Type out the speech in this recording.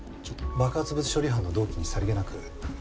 爆発物処理班の同期にさりげなく。